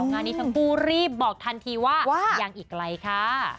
งานนี้ทั้งคู่รีบบอกทันทีว่ายังอีกไกลค่ะ